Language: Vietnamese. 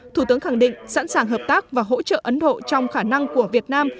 thủ tướng khẳng định sẵn sàng hợp tác và hỗ trợ ấn độ trong khả năng của việt nam